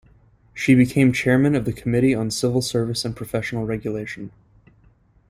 She became chairman of the Committee on Civil Service and Professional Regulation.